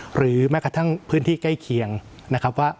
หรือแม้กระทั่งพื้นที่ใกล้เคียงนะครับว่า